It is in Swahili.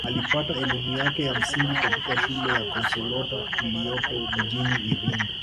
Alipata elimu yake ya msingi katika shule ya Consalata iliyopo mjini Iringa